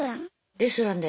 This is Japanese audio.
レストランで。